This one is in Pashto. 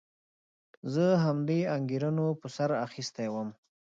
زه همدې انګېرنو په سر اخیستی وم.